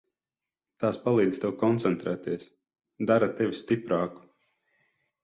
Tās palīdz tev koncentrēties, dara tevi stiprāku.